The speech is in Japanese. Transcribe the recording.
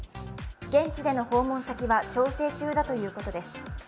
現地での訪問先は調整中だということです。